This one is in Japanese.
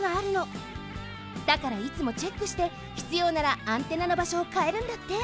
だからいつもチェックしてひつようならアンテナのばしょをかえるんだって。